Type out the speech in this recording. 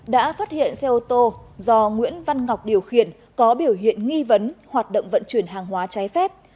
đã phát hiện xe ô tô do nguyễn văn ngọc điều khiển có biểu hiện nghi vấn hoạt động vận chuyển hàng hóa trái phép